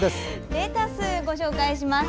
レタスをご紹介します。